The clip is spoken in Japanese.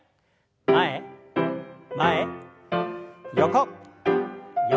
前前横横。